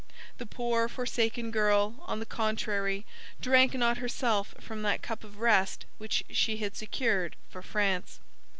The poor, forsaken girl, on the contrary, drank not herself from that cup of rest which she had secured for France.